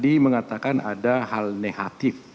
tadi mengatakan ada hal negatif